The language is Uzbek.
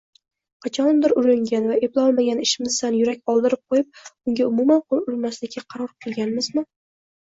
Qachondir uringan va eplolmagan ishimizdan yurak oldirib qoʻyib, unga umuman qoʻl urmaslikka qaror qilmaganmizmi?